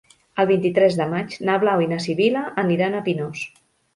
El vint-i-tres de maig na Blau i na Sibil·la aniran a Pinós.